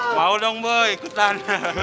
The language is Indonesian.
mau dong boy ikutan